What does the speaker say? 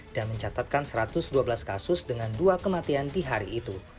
dan mencatatkan satu ratus dua belas kasus dengan dua kematian di hari itu